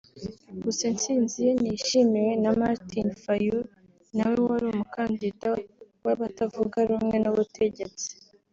Gusa intsinzi ye ntiyishimiwe na Martin Fayulu nawe wari umukandida w’abatavuga rumwe n’ubutegetsi